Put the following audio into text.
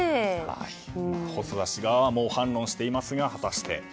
細田氏側は猛反論していますが、果たして。